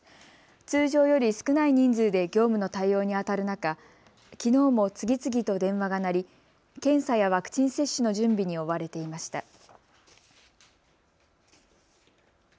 通常より少ない人数で業務の対応にあたる中、きのうも次々と電話が鳴り検査やワクチン接種の準備に追われていました。